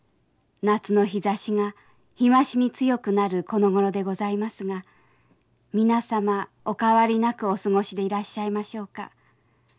夏の日ざしが日増しに強くなるこのごろでございますが皆様お変わりなくお過ごしでいらっしゃいましょうか。